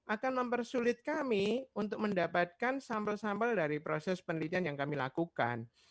akan mempersulit kami untuk mendapatkan sampel sampel dari proses penelitian yang kami lakukan